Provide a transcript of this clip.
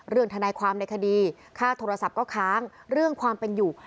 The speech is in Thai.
ทนายความในคดีค่าโทรศัพท์ก็ค้างเรื่องความเป็นอยู่